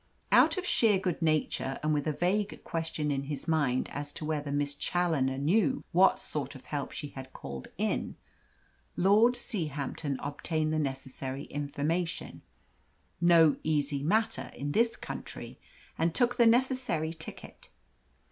Out of sheer good nature, and with a vague question in his mind as to whether Miss Challoner knew what sort of help she had called in, Lord Seahampton obtained the necessary information no easy matter in this country and took the necessary ticket.